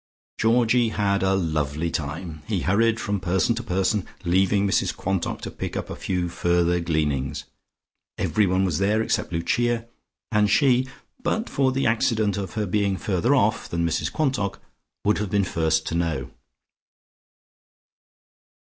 Georgie had a lovely time. He hurried from person to person, leaving Mrs Quantock to pick up a few further gleanings. Everyone was there except Lucia, and she, but for the accident of her being further off than Mrs Quantock, would have been the first to know.